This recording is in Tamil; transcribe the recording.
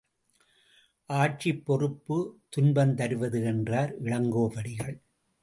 ஆட்சிப் பொறுப்பு துன்பந்தருவது என்றார் இளங்கோவடிகள்.